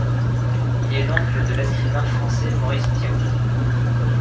Il est l'oncle de l'escrimeur français Maurice Piot.